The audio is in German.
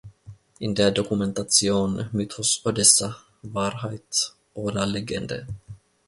In der Dokumentation "Mythos Odessa: Wahrheit oder Legende?